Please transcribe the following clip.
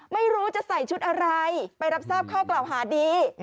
ไม่รู้จะใส่ชุดอะไรไปรับทราบข้อกล่าวหาดี